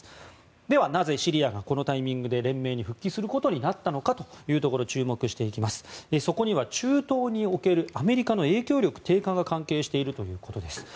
では、なぜシリアがこのタイミングで連盟に復帰することになったのかを注目していきますとそこには中東におけるアメリカの影響力低下が関係しているということです。